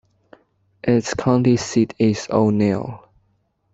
Its county seat is O'Neill.